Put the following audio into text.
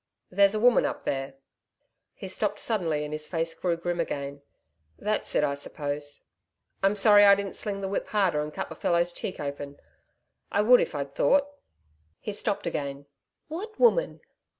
There's a woman up there....' He stopped suddenly and his face grew grim again. 'That's it, I suppose I'm sorry I didn't sling the whip harder and cut the fellow's cheek open. I would if I'd thought....!' He stopped again. 'What woman?